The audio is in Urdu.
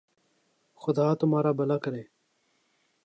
خدا تمہارر بھلا کرے